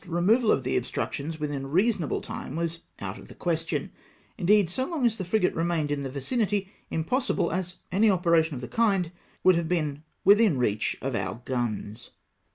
259 removal of the obstructions within reasonable time was out of the question — indeed, so long as the frigate re mained in the vicinity, impossible, as any operation of the kind would have been within reach of our guns.